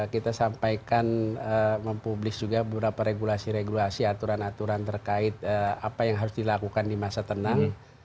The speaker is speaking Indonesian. kita sampaikan mempublis juga beberapa regulasi regulasi aturan aturan terkait apa yang harus dilakukan di masa tenang